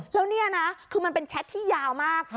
แล้วนี่นะคือมันเป็นแชทที่ยาวมาก